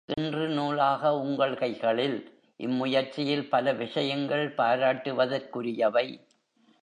இன்று நூலாக உங்கள் கைகளில்.... இம்முயற்சியில் பல விஷயங்கள் பராட்டுவதற்குரியவை.